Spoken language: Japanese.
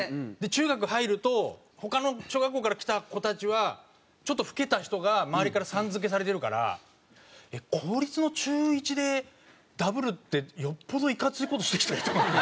中学入ると他の小学校から来た子たちはちょっと老けた人が周りから「さん」付けされてるから公立の中１でダブるってよっぽどいかつい事してきた人。